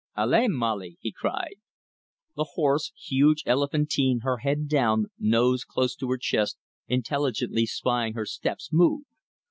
"Allez, Molly!" he cried. The horse, huge, elephantine, her head down, nose close to her chest, intelligently spying her steps, moved.